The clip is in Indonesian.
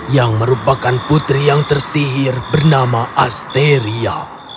yang merupakan putri yang tersihir bernama asteria